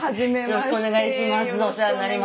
よろしくお願いします。